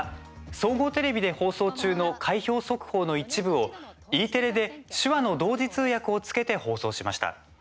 総合テレビで放送中の開票速報の一部をＥテレで手話の同時通訳をつけて放送しました。